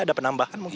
ada penambahan mungkin